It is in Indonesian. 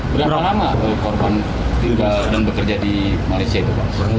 berapa lama korban tinggal dan bekerja di malaysia itu pak